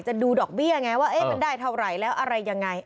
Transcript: จะดูดอกเบี้ยอย่างไรว่าเอ๊ะมันได้เท่าไรแล้วอะไรอย่างไร